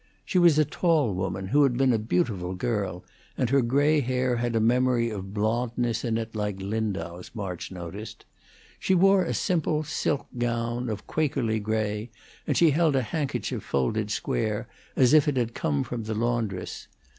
She was a tall woman, who had been a beautiful girl, and her gray hair had a memory of blondeness in it like Lindau's, March noticed. She wore a simple silk gown, of a Quakerly gray, and she held a handkerchief folded square, as it had come from the laundress.